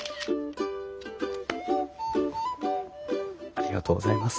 ありがとうございます。